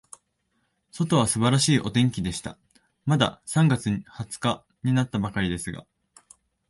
外は素晴らしいお天気でした。まだ三月二十日になったばかりですが、